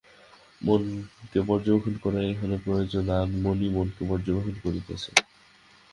মনকে পর্যবেক্ষণ করাই এখানে প্রয়োজন, আর মনই মনকে পর্যবেক্ষণ করিতেছে।